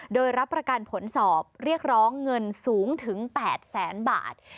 โดยรับประกันผลสอบเรียกร้องเงินสูงถึง๘แสนบาท